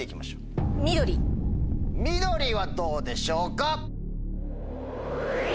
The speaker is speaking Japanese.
「緑」はどうでしょうか？